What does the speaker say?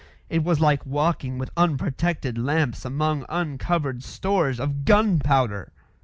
It was like walking with unprotected lamps among uncovered stores of gun powder.